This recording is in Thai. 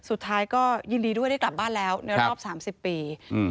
สุดท้ายก็ยินดีด้วยได้กลับบ้านแล้วในรอบ๓๐ปี